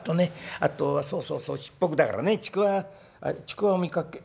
あとはそうそうそうしっぽくだからねちくわちくわを見かけ